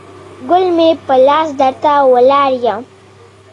ګل مې په لاس درته ولاړ یم